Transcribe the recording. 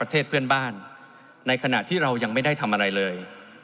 ประเทศเพื่อนบ้านในขณะที่เรายังไม่ได้ทำอะไรเลย